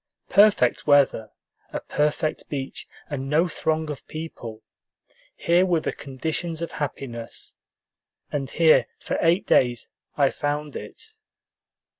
Perfect weather, a perfect beach, and no throng of people: here were the conditions of happiness; and here for eight days I found it.